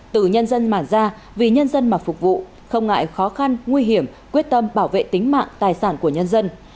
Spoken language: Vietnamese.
từ nhân dân mà ra vì nhân dân mà phục vụ không ngại khó khăn nguy hiểm quyết tâm bảo vệ tính mạng tài sản của nhân dân